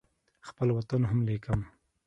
خپل وطن هم لیکم.